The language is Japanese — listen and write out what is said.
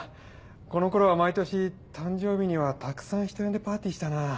この頃は毎年誕生日にはたくさん人呼んでパーティーしたなぁ。